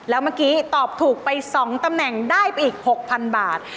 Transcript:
แล้วเมื่อกี้ตอบถูกไป๒ตำแหน่งได้ไปอีก๖๐๐๐บาท